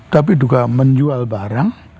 tapi juga menjual barang